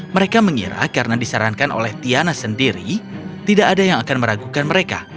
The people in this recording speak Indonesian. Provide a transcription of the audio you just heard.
mereka mengira karena disarankan oleh tiana sendiri tidak ada yang akan meragukan mereka